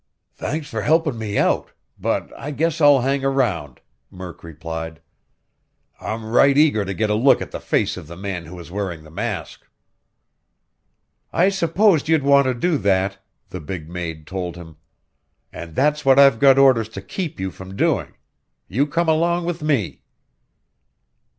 "Thanks for helpin' me out, but I guess I'll hang around," Murk replied. "I'm right eager to get a look at the face of the man who was wearing the mask." "I supposed you'd want to do that," the big maid told him. "And that's what I've got orders to keep you from doing. You come along with me!"